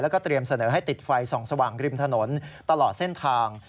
แล้วก็เตรียมเสนอให้ติดไฟส่องสว่างริมถนนตลอดเส้นทาง